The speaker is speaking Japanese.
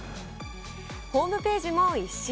ホームページも一新。